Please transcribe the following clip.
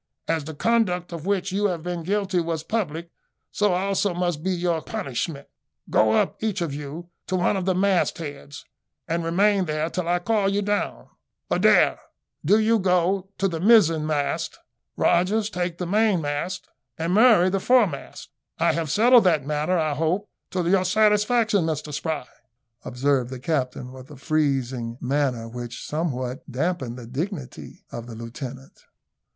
As the conduct of which you have been guilty was public, so also must be your punishment. Go up, each of you, to one of the mast heads, and remain there till I call you down. Adair, do you go to the mizen mast; Rogers, take the mainmast; and Murray, the foremast. I have settled that matter, I hope, to your satisfaction, Mr Spry," observed the captain, with a freezing manner, which somewhat damped the dignity of the lieutenant.